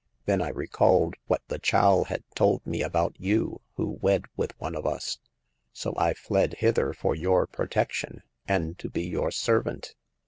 Then I recalled what the chal had told me about you who wed with one of us ; so I fled hither for your protec tion, and to be your servant."